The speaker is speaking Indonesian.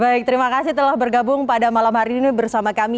baik terima kasih telah bergabung pada malam hari ini bersama kami